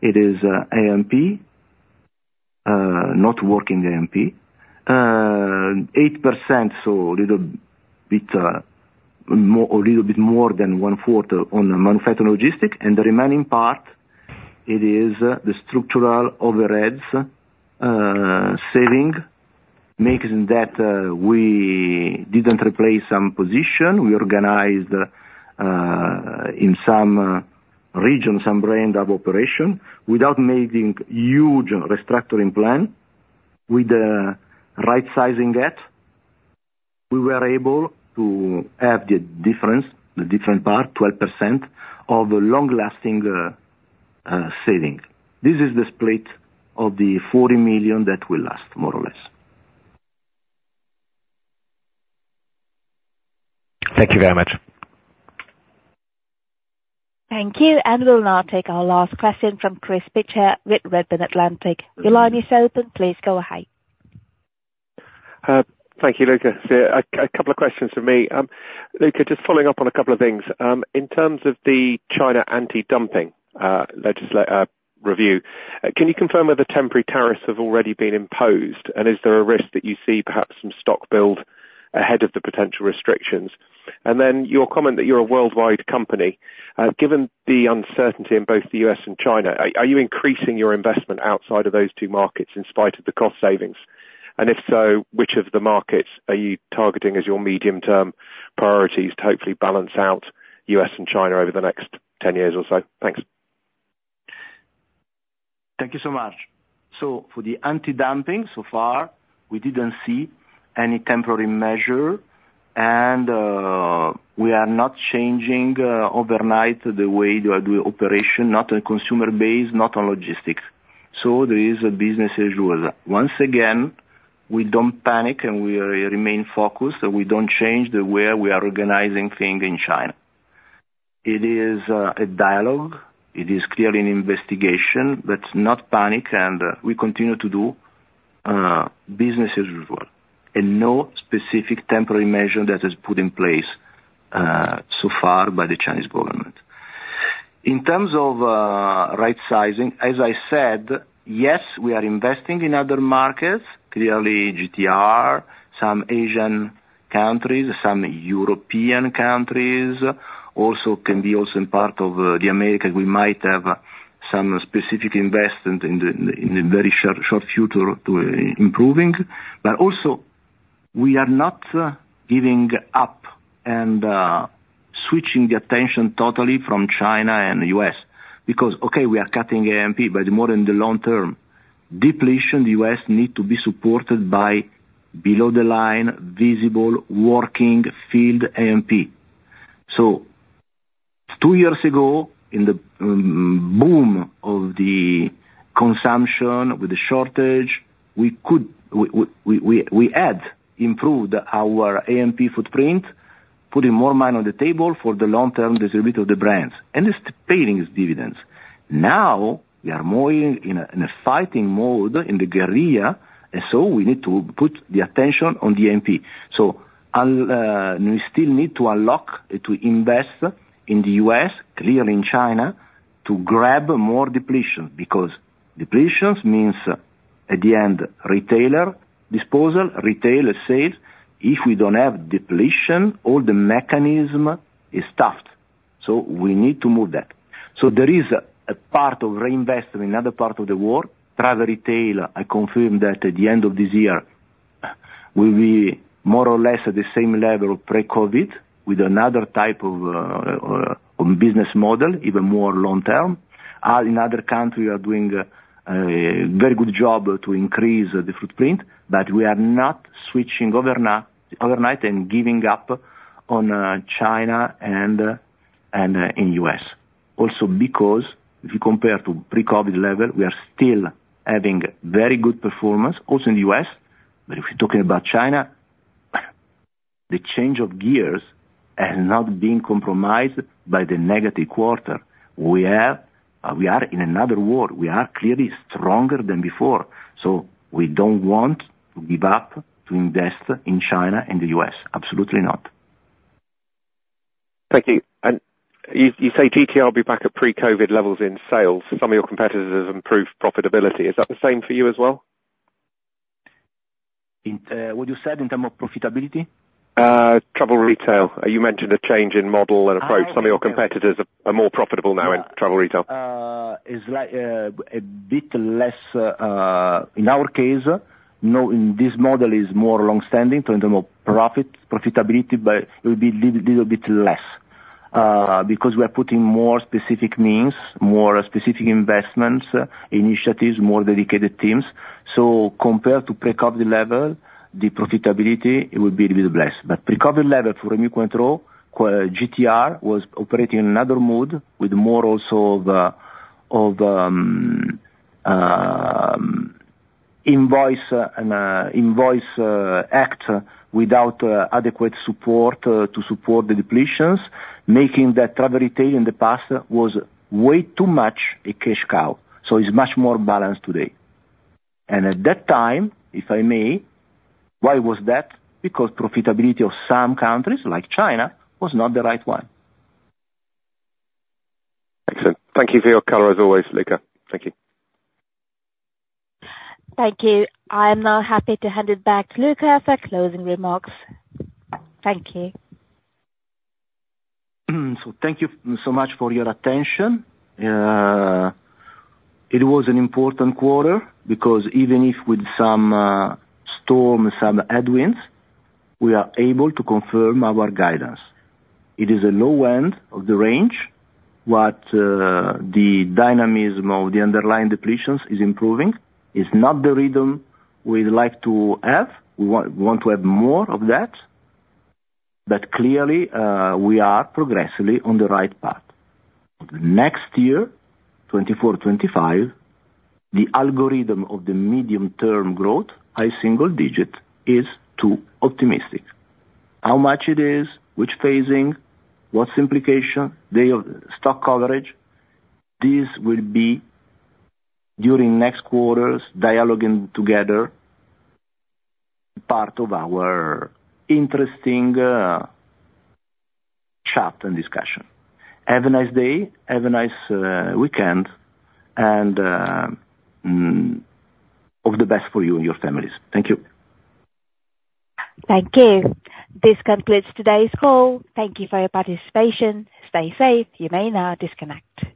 it is, AMP, not working AMP. 8%, so a little bit more than one quarter on the manufacturing logistics, and the remaining part is the structural overheads saving, means that we didn't replace some positions. We organized in some regions some brand of operation without making huge restructuring plan. With the right sizing that we were able to have the difference, the different part, 12% of the long-lasting saving. This is the split of the 40 million that will last, more or less. Thank you very much. Thank you, and we'll now take our last question from Chris Pitcher with Redburn Atlantic. Your line is open. Please go ahead. Thank you, Luca. So a couple of questions from me. Luca, just following up on a couple of things. In terms of the China anti-dumping legislation review, can you confirm whether temporary tariffs have already been imposed? And is there a risk that you see perhaps some stock build ahead of the potential restrictions? And then, your comment that you're a worldwide company, given the uncertainty in both the U.S. and China, are you increasing your investment outside of those two markets, in spite of the cost savings? And if so, which of the markets are you targeting as your medium-term priorities to hopefully balance out U.S. and China over the next 10 years or so? Thanks. Thank you so much. So for the anti-dumping, so far, we didn't see any temporary measure, and we are not changing overnight the way we are doing operation, not on consumer base, not on logistics. So there is a business as usual. Once again, we don't panic, and we remain focused, and we don't change the way we are organizing things in China. It is a dialogue. It is clearly an investigation, but not panic, and we continue to do business as usual, and no specific temporary measure that is put in place so far by the Chinese government. In terms of right sizing, as I said, yes, we are investing in other markets, clearly GTR, some Asian countries, some European countries, also can be also in part of the Americas. We might have some specific investment in the very short future to improving. But also, we are not giving up and switching the attention totally from China and US, because, okay, we are cutting AMP, but more in the long term. Depletions US need to be supported by below the line, visible working field AMP. So two years ago, in the boom of the consumption, with the shortage, we could we had improved our AMP footprint, putting more money on the table for the long term distribute of the brands, and it's paying its dividends. Now, we are more in a fighting mode, in the guerrilla, and so we need to put the attention on the AMP. So, we still need to unlock, to invest in the U.S., clearly in China, to grab more depletion, because depletions means, at the end, retailer disposal, retailer sales. If we don't have depletion, all the mechanism is stopped, so we need to move that. So there is a part of reinvestment in other part of the world. Travel retail, I confirm that at the end of this year, we'll be more or less at the same level of pre-COVID, with another type of business model, even more long term. In other countries, we are doing a very good job to increase the footprint, but we are not switching overnight and giving up on China and in U.S. Also, because if you compare to pre-COVID level, we are still having very good performance, also in the U.S. But if you're talking about China, the change of gears has not been compromised by the negative quarter. We are in another world. We are clearly stronger than before, so we don't want to give up to invest in China and the U.S. Absolutely not. Thank you. You, you say GTR will be back at pre-COVID levels in sales. Some of your competitors have improved profitability. Is that the same for you as well? In what you said in terms of profitability? Travel retail. You mentioned a change in model and approach. Ah, yes. Some of your competitors are more profitable now in travel retail. It's like, a bit less, in our case, knowing this model is more long-standing in terms of profit, profitability, but it will be little bit less, because we are putting more specific means, more specific investments, initiatives, more dedicated teams. So compared to pre-COVID level, the profitability, it will be a little bit less. But pre-COVID level for Rémy Cointreau, GTR was operating in another mode, with more also of, invoice, and, invoice, act, without, adequate support, to support the depletions, making that travel retail in the past was way too much a cash cow, so it's much more balanced today. And at that time, if I may, why was that? Because profitability of some countries, like China, was not the right one. Excellent. Thank you for your color as always, Luca. Thank you. Thank you. I'm now happy to hand it back to Luca for closing remarks. Thank you. So thank you so much for your attention. It was an important quarter, because even if with some storm, some headwinds, we are able to confirm our guidance. It is a low end of the range, but the dynamism of the underlying depletions is improving. It's not the rhythm we'd like to have. We want, want to have more of that, but clearly we are progressively on the right path. Next year, 2024, 2025, the algorithm of the medium-term growth, a single digit, is too optimistic. How much it is, which phasing, what's implication, day of stock coverage, this will be, during next quarters, dialoguing together, part of our interesting chat and discussion. Have a nice day, have a nice weekend, and all the best for you and your families. Thank you. Thank you. This concludes today's call. Thank you for your participation. Stay safe. You may now disconnect.